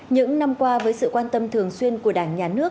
những năm qua với sự quan tâm thường xuyên